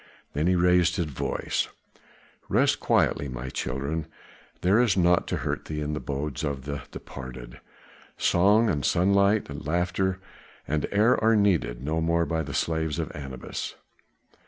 Then he raised his voice, "Rest quietly, my children; there is nought to hurt thee in the abodes of the departed. Song and sunlight, laughter and air are needed no more by the slaves of Anubis.